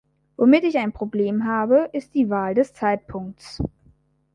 Womit ich ein Problem habe, ist die Wahl des Zeitpunkts.